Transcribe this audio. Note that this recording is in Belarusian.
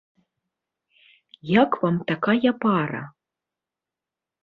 Як вам такая пара?